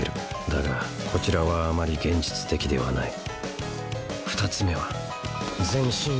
だがこちらはあまり現実的ではない。